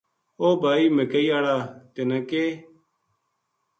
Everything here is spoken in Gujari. او بھائی مکئی ہاڑا ! تنا کِ